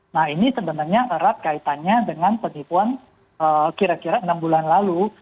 nah ini sebenarnya erat kaitannya dengan penipuan kira kira enam bulan lalu